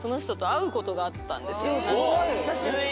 久しぶり！